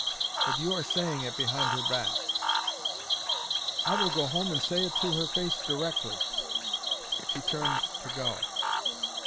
But you are saying it behind her back." "I will go home and say it to her face directly." She turned to go.